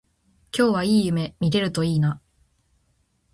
今日はいい夢見れるといいな